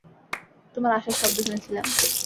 তোমার আসার শব্দ শুনেছিলাম।